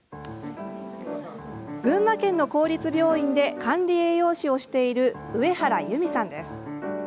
群馬県の公立病院で管理栄養士をしている上原由美さんです。